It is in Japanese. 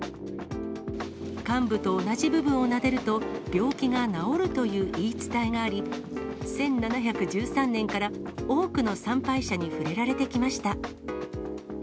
患部と同じ部分をなでると、病気が治るという言い伝えがあり、１７１３年から多くの参拝者に触れられてきました。